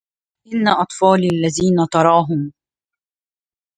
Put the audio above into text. إن أطفالي الذين تراهم